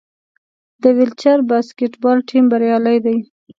د ویلچیر باسکیټبال ټیم بریالی دی.